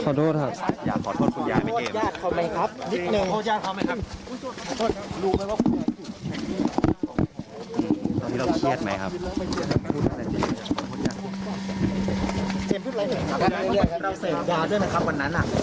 ขอโทษครับอยากขอโทษคุณยายแม่เจมส์